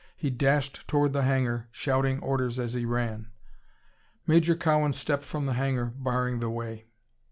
He dashed toward the hangar, shouting orders as he ran. Major Cowan stepped from the hangar, barring the way.